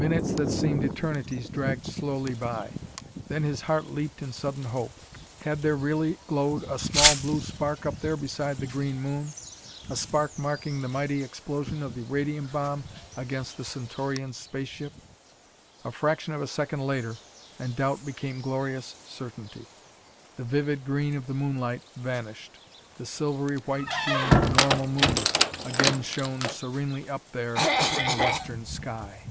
Minutes that seemed eternities dragged slowly by. Then his heart leaped in sudden hope. Had there really glowed a small blue spark up there beside the green moon a spark marking the mighty explosion of the radium bomb against the Centaurians' space ship? A fraction of a second later, and doubt became glorious certainty. The vivid green of the moonlight vanished. The silvery white sheen of a normal moon again shone serenely up there in the western sky!